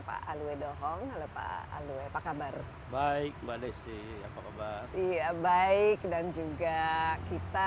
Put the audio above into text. pak alwadohong halo pak alwoi pak kabar baik mbak desi apa kabar iya baik dan juga kita